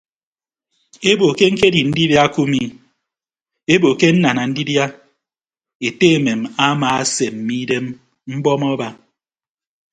Ebo ke ñkedi ndidia kumi ebo ke nnana ndidia ete emem amaaseeme idem mbọm aba.